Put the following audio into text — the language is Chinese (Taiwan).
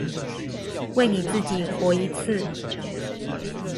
為你自己活一次